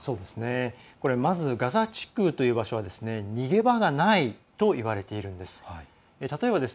まずガザ地区という場所は逃げ場がないといわれているんです。